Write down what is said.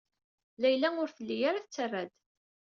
Layla ur telli ara tettarra-d.